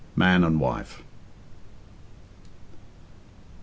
MAN AND WIFE. I.